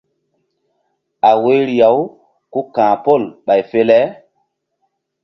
A woyri-aw ku ka̧h pol ɓay fe le.